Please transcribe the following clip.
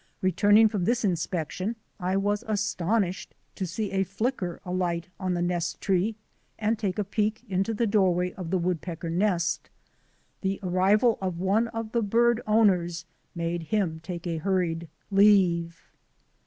Returning from this inspection I was astonished to see a flicker alight on the nest tree and take a peek into the doorway of the woodpecker nest. The arrival of one of the bird owners made him take a hurried leave.